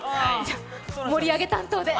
盛り上げ担当で。